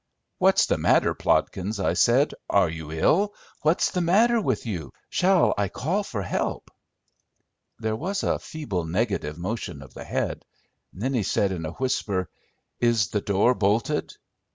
"What's the matter, Plodkins?" I said. "Are you ill? What's the matter with you? Shall I call for help?" There was a feeble negative motion of the head. Then he said, in a whisper, "Is the door bolted?"